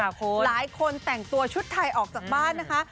หลายคนแต่งตัวชุดไทยออกจากบ้านนะคะ